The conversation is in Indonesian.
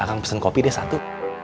akan pesen kopi deh satu